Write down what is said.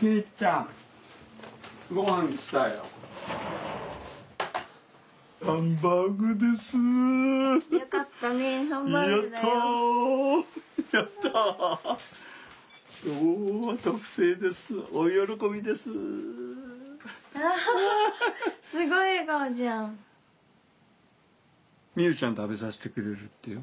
美夢ちゃん食べさせてくれるってよ。